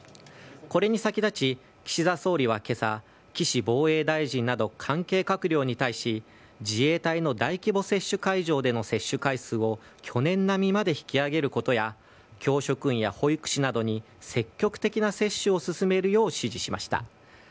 これに先立ち、岸田総理はけさ、岸防衛大臣など関係閣僚に対し、自衛隊の大規模接種会場での接種回数を、去年並みまで引き上げることや、教職員や保育士などに積極的な接種を進めるよう指示しました。